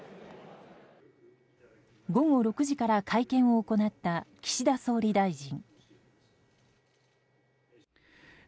午後６時から会見を行った岸田総理大臣。